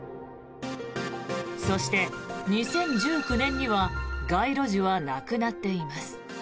そして、２０１９年には街路樹はなくなっています。